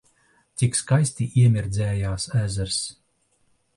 Cik skaisti iemirdzējās ezers!